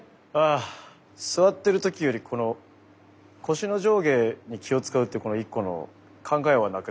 あ座ってる時よりこの腰の上下に気を遣うっていうこの一個の考えはなくなります。